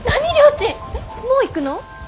ちんもう行くの！？